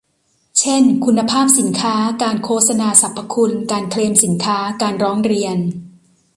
เช่น คุณภาพสินค้า การโฆษณาสรรพคุณ การเคลมสินค้า การร้องเรียน